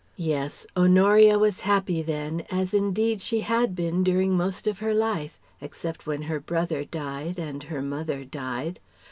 Yes: Honoria was happy then, as indeed she had been during most of her life, except when her brother died and her mother died.